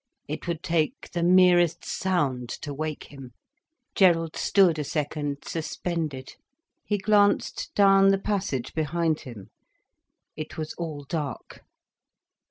It would take the merest sound to wake him. Gerald stood a second suspended. He glanced down the passage behind him. It was all dark.